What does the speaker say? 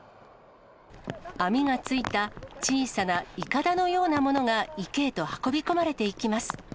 網がついた小さないかだのようなものが池へと運び込まれていきます。